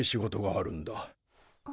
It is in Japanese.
あ？